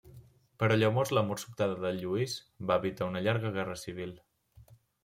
Però llavors la mort sobtada de Lluís va evitar una llarga guerra civil.